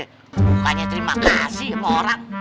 bukannya terima kasih emang orang